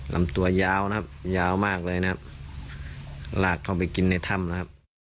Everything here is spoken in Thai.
ลำตัวยาวนะครับยาวมากเลยนะครับลากเข้าไปกินในถ้ำแล้วครับ